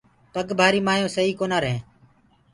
پگ ڀآري مآيونٚ سئي ڪونآ رهينٚ۔